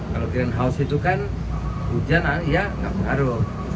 kalau greenhouse itu kan hujan ya tidak berharu